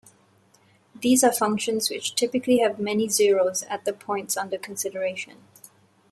These are functions which typically have many zeros at the points under consideration.